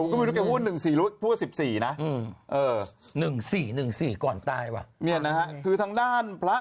ว่าอะไรหนึ่งสี่หนึ่งสี่ก่อนตายว่ะเนี่ยนะฮะคือทางด้านพระ